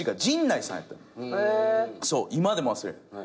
今でも忘れん。